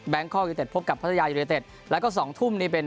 แบงค์คอลยูในเต็ดพบกับพัทยายูในเต็ดแล้วก็๒ทุ่มนี้เป็น